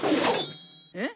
えっ？